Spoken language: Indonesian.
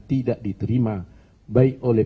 tidak diterima baik oleh